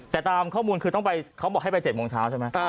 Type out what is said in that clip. แต่ตามข้อมูลคือต้องไปเขาบอกให้ไป๗โมงเช้าใช่ไหม